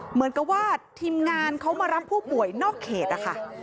เหมือนกับว่าทีมงานเขามารับผู้ป่วยนอกเขตนะคะ